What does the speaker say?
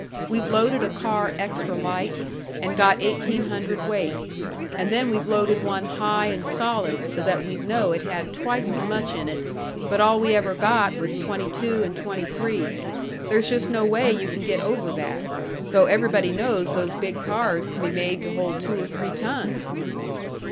We've loaded a car extra light, and got eighteen hundredweight, and then we've loaded one high and solid, so that we'd know it had twice as much in it but all we ever got was twenty two and twenty three. There's just no way you can get over that though everybody knows those big cars can be made to hold two or three tons."